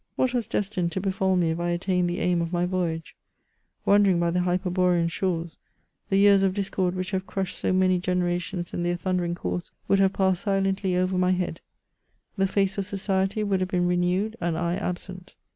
What was destined to befal me if I attained the aim of my Toyage ? Wandering by the hyperborean shores, the years of discord which have crushed so many generations in their thunder ing course, would have passed silently over my head ; the face of society would have been renewed, and I absent.